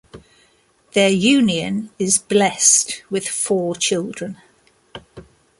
Their union is blessed with four children.